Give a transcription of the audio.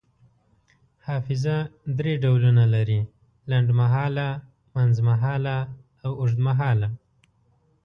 حافظه دری ډولونه لري: لنډمهاله، منځمهاله او اوږدمهاله